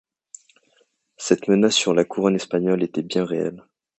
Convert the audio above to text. Cette menace sur la couronne espagnole était bien réelle.